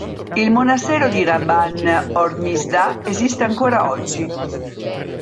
Il monastero di Rabban Ormisda esiste ancora oggi.